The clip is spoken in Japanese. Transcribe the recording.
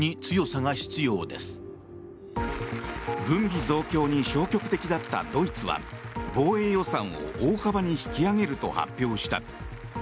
軍備増強に消極的だったドイツは防衛予算を大幅に引き上げると発表した。